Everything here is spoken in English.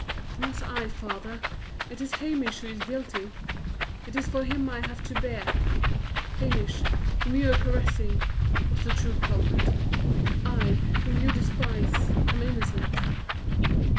"Not I, father; it is Hamish who is guilty; it is for him I have to bear. Hamish, whom you are caressing, was the true culprit; I, whom you despise, am innocent."